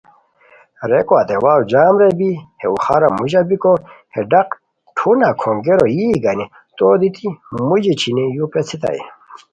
ریکو ہتے واؤ جام رے بی ہے اُخارو موژا بیکو ہے ڈاق ٹھونہ کھونگیرو یی گانی تو دیتی موژی چھینی یو پیڅھیتائے